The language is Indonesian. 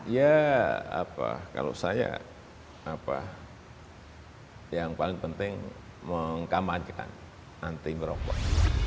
ya apa kalau saya yang paling penting mengkamankan nanti merokok